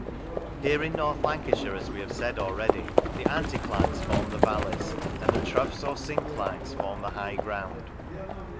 Here in North Lanca shire, as we have said already, the anticlines form the valleys and the troughs or synclines form the high ground.